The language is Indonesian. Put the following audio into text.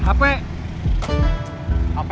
tidak ada yang bisa dikira